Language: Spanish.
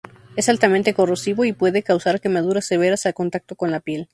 Es altamente corrosivo, y puede causar quemaduras severas al contacto con la piel.